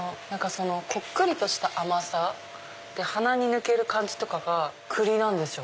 こっくりとした甘さで鼻に抜ける感じとかが栗なんですよね。